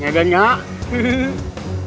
tidak ada yang di sana